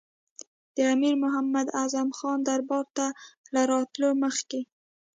د امیر محمد اعظم خان دربار ته له راتللو مخکې.